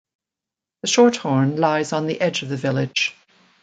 The Shorthorn lies on the edge of the village.